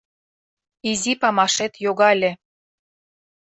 Изи памашет йогале